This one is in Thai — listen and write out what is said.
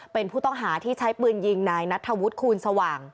เป็นผู้ต้องหาที่ใช้ปืนยิงนายนัทธวุฒิคูณสว่าง